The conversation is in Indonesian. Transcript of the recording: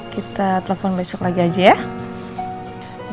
kita telepon besok lagi aja ya